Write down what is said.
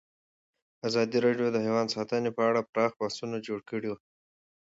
ازادي راډیو د حیوان ساتنه په اړه پراخ بحثونه جوړ کړي.